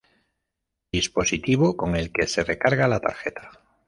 Dispositivo con el que se recarga la tarjeta.